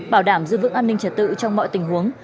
bảo đảm giữ vững an ninh trật tự trong mọi tình huống